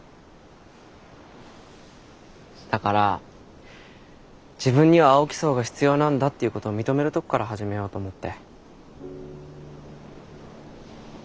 だから自分には青木荘が必要なんだっていうことを認めるとこから始めようと思って。